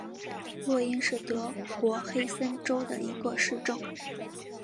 洛因是德国黑森州的一个市镇。